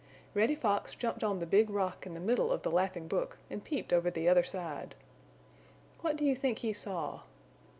Reddy Fox jumped on the Big Rock in the middle of the Laughing Brook and peeped over the other side. What do you think he saw?